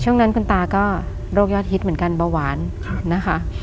ช่วงนั้นคุณตาก็โรคยอดฮิตเหมือนกันเบาหวานนะคะ